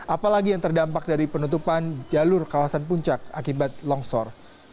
apalagi yang terdampak dari penutupan jalur kawasan puncak akibat longsor